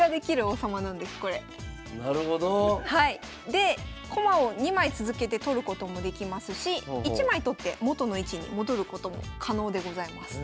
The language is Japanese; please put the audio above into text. で駒を２枚続けて取ることもできますし１枚取って元の位置に戻ることも可能でございます。